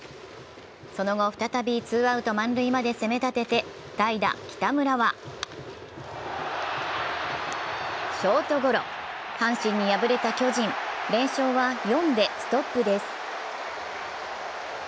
その後、再びツーアウト満塁まで攻め立てて代打・北村はショートゴロ、阪神に敗れた巨人、連勝は４でストップです。